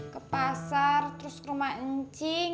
ke pasar terus ke rumah encing